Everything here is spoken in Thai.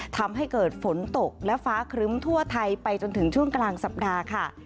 ทำให้เกิดฝนตกและฟ้าครึ้มทั่วไทยไปจนถึงช่วงกลางสัปดาห์ค่ะ